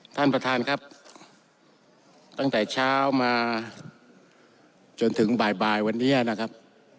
ท่านประธานครับตั้งแต่เช้ามาจนถึงบ่ายวันนี้นะครับ